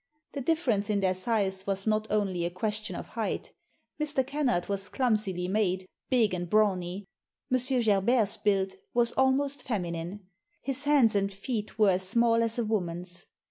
The difference in their size was not only a question of height Mr. Kennard was clumsily made, big and brawny. M. Gerbert's build was almost feminine. His hands and feet were as small as a woman's.